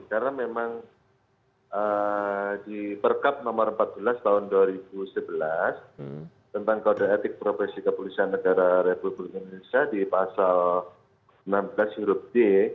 karena memang di perkap nomor empat belas tahun dua ribu sebelas tentang kode etik profesi kepolisian negara republik indonesia di pasal enam belas huruf d